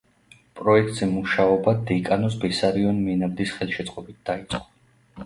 პროექტზე მუშაობა დეკანოზ ბესარიონ მენაბდის ხელშეწყობით დაიწყო.